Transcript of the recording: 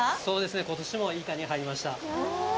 そうですねことしもいいカニがはいりました。